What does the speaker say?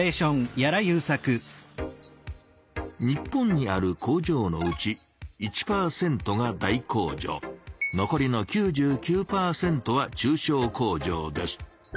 日本にある工場のうち１％が大工場残りの９９％は中小工場です。